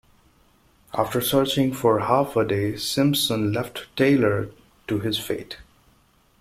After searching for half a day, Simpson left Taylor to his fate.